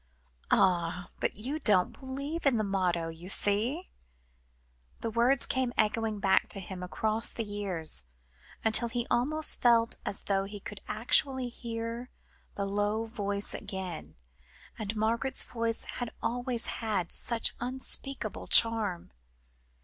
"Ah! but you don't believe in the motto, you see." The words came echoing back to him across the years, until he almost felt as though he could actually hear the low voice again, and Margaret's voice had always had such unspeakable charm.